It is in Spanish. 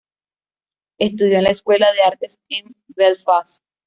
Estudió en la Escuela de Artes en Belfast.